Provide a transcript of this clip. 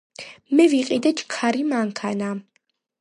მე ვიყიდე ჩქარი მანქანა